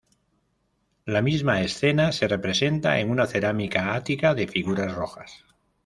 La misma escena se representa en una cerámica ática de figuras rojas.